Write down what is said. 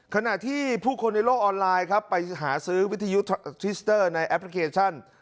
ขณะที่ผู้คนในโลกออนไลน์ครับไปหาซื้อวิทยุทิสเตอร์ในแอปพลิเคชัน